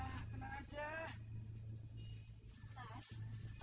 aku juga curiga dalam keseluruhan